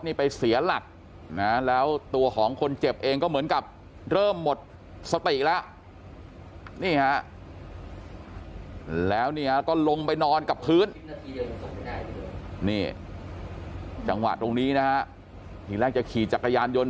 นี่จังหวะตรงนี้นะครับอีกแรกจะขี่จักรยานยนต์